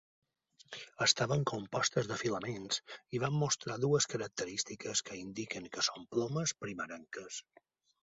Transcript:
Estaven compostes de filaments, i van mostrar dues característiques que indiquen que són plomes primerenques.